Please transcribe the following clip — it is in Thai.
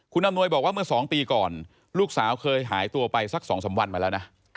คุณอำนวยบอกว่าเมื่อ๒ปีก่อนลูกสาวเคยหายตัวไปสัก๒๓วันมาแล้วนะ